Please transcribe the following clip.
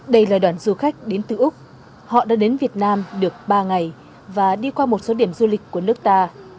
đây là đoàn du khách đến từ úc họ đã đến việt nam được ba ngày và đi qua một số điểm du lịch của nước ta